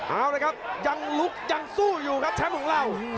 เอาละครับยังลุกยังสู้อยู่ครับแชมป์ของเรา